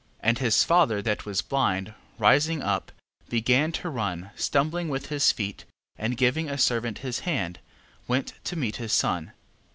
And his father that was blind, rising up, began to run stumbling with his feet: and giving a servant his hand, went to meet his son.